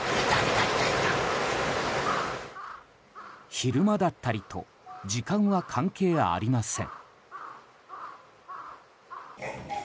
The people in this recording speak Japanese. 昼間だったりと時間は関係ありません。